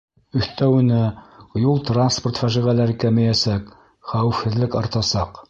Өҫтәүенә, юл-транспорт фажиғәләре кәмейәсәк, хәүефһеҙлек артасаҡ.